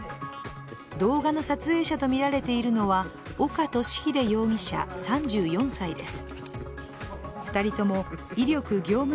動画の撮影者とみられているのは岡敏秀容疑者３４歳です。